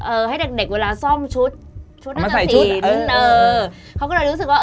เออให้เด็กเวลาซ่อมชุด